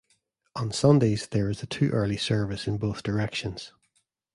On Sundays there is a two-hourly service in both directions.